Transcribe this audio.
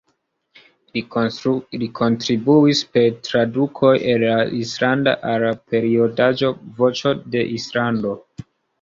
Li kontribuis per tradukoj el la islanda al la periodaĵo "Voĉo de Islando".